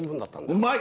うまい！